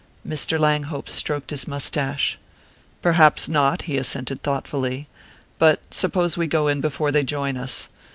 Mr. Langhope stroked his moustache. "Perhaps not," he assented thoughtfully. "But suppose we go in before they join us?